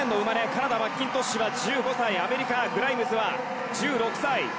カナダ、マッキントッシュが１５歳アメリカ、グライムズは１６歳。